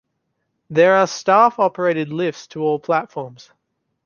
There are staff-operated lifts to all platforms.